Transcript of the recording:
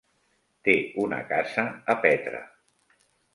Té una casa a Petra.